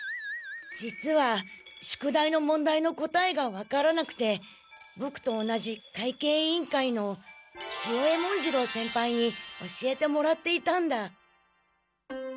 実は宿題の問題の答えが分からなくてボクと同じ会計委員会の潮江文次郎先輩に教えてもらっていたんだ。